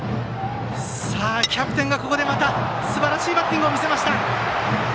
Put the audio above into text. キャプテンがここでまたすばらしいバッティングを見せました。